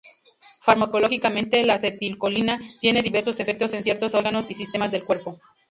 Farmacológicamente, la acetilcolina tiene diversos efectos en ciertos órganos y sistemas del cuerpo.